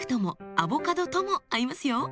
アボカドとも合いますよ。